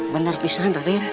bener pisan raden